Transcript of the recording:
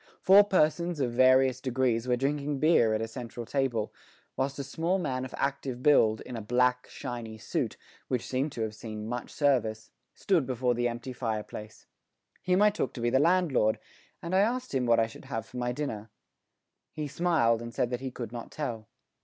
Four persons of various degrees were drinking beer at a central table, whilst a small man of active build, in a black, shiny suit, which seemed to have seen much service, stood before the empty fireplace. Him I took to be the landlord, and I asked him what I should have for my dinner. He smiled, and said that he could not tell.